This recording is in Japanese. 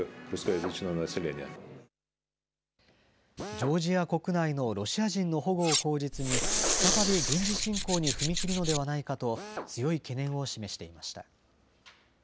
ジョージア国内のロシア人の保護を口実に、再び軍事侵攻に踏み切るのではないかと、強い懸念を示していました。